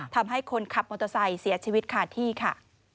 ทำให้คนขับมอเตอร์ไซค์เสียชีวิตขาดที่ค่ะ